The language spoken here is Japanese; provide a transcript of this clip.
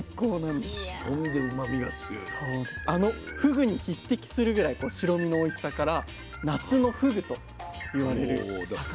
あのふぐに匹敵するぐらい白身のおいしさから「夏のふぐ」と言われる魚なんです。